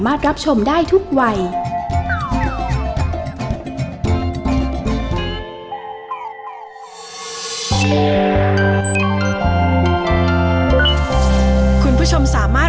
ร้องได้ให้ร้าน